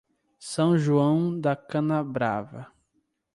São João da Canabrava